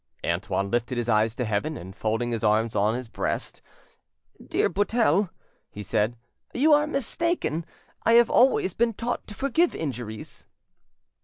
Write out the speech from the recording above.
Antoine lifted his eyes to heaven, and folding his arms on his breast— "Dear Buttel," he said, "you are mistaken; I have always been taught to forgive injuries."